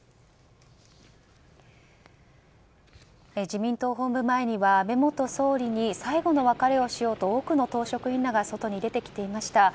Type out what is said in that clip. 自民党本部前には安倍元総理に最後の別れをしようと多くの党職員らが外に出てきていました。